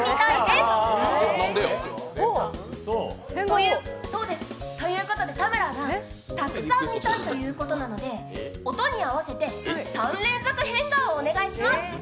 変顔？ということで田村アナ、たくさん見たいということなので、音に合わせて３連続変顔お願いします。